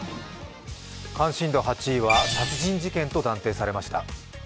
関心度８位は殺人事件と断定されました。